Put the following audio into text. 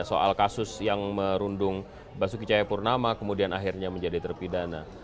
soal kasus yang merundung basuki cahayapurnama kemudian akhirnya menjadi terpidana